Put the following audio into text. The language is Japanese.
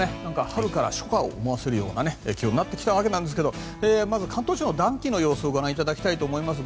春から初夏を思わせるような気温になってきたんですけどまず関東地方の暖気の様子をご覧いただきたいと思います。